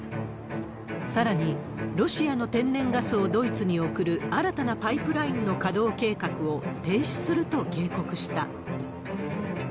さらに、ロシアの天然ガスをドイツに送る新たなパイプラインの稼働計画を停止すると警告した。